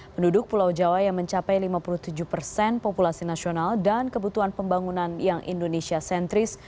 penduduk pulau jawa yang mencapai lima puluh tujuh persen populasi nasional dan kebutuhan pembangunan yang indonesia sentris